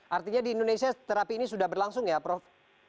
artinya di indonesia terapi ini sudah berlangsung ya prof